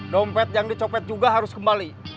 dompet yang dicopet juga harus kembali